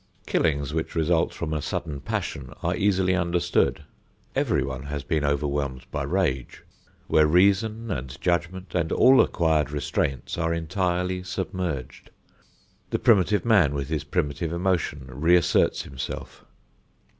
Killings which result from a sudden passion are easily understood. Everyone has been overwhelmed by rage, where reason and judgment and all acquired restraints are entirely submerged. The primitive man with his primitive emotion reasserts himself.